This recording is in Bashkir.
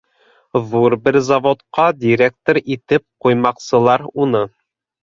Ҙур бер заводҡа директор итеп ҡуймаҡсылар уны.